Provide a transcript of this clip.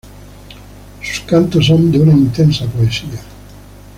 Sus cantos son de una intensa poesía.